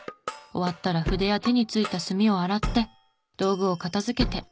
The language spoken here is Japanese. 終わったら筆や手についた墨を洗って道具を片付けて。